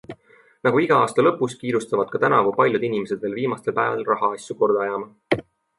Nagu iga aasta lõpus, kiirustavad ka tänavu paljud inimesed veel viimastel päevadel rahaasju korda ajama.